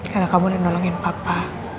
karena kamu udah nolongin papa